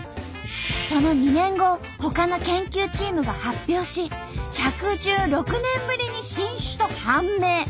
その２年後ほかの研究チームが発表し１１６年ぶりに新種と判明。